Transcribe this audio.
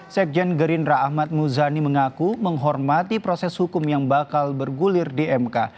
sekjen gerindra ahmad muzani mengaku menghormati proses hukum yang bakal bergulir di mk